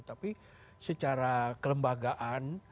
tapi secara kelembagaan